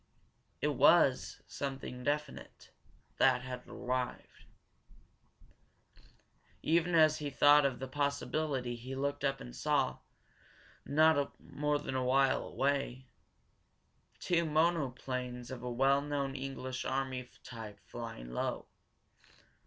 It war, something definite, that had arrived. Even as he thought of the possibility he looked up and saw, not more than a mile away, two monoplanes of a well known English army type flying low.